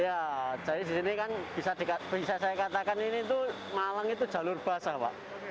ya jadi di sini kan bisa saya katakan ini tuh malang itu jalur basah pak